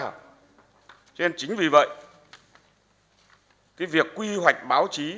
cho nên chính vì vậy cái việc quy hoạch báo chí